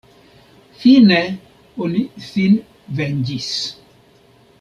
Fine, oni sin venĝis.